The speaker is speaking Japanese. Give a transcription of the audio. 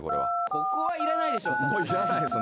ここはいらないですね。